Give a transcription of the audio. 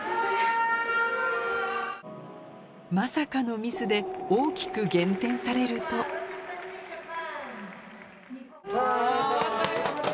まさかのミスで大きく減点されると・頑張った！